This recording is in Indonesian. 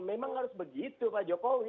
memang harus begitu pak jokowi